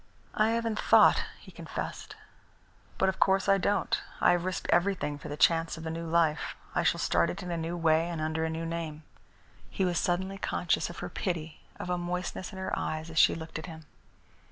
"I haven't thought," he confessed. "But of course I don't. I have risked everything for the chance of a new life. I shall start it in a new way and under a new name." He was suddenly conscious of her pity, of a moistness in her eyes as she looked at him.